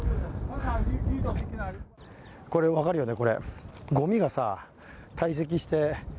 これ分かるよね？